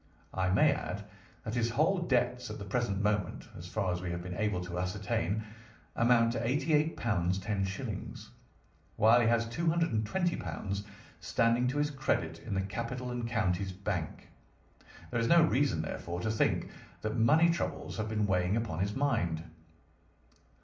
I may add that his whole debts at the present moment, as far as we have been able to ascertain, amount to £ 88 10_s_., while he has £ 220 standing to his credit in the Capital and Counties Bank. There is no reason, therefore, to think that money troubles have been weighing upon his mind.